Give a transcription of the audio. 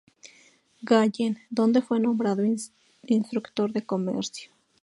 Gallen, donde fue nombrado instructor de Comercio.